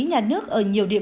chúng tôi đối xử